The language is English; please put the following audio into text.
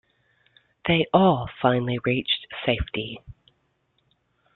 They all finally reached safety.